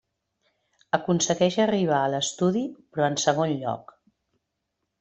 Aconsegueix arribar a l'estudi, però en segon lloc.